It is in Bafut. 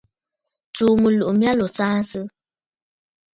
Tsùù mɨlùʼù mya lǒ saansə!